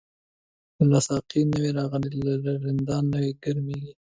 لا ساقی نوی راغلی، لا رندان نوی گرمیږی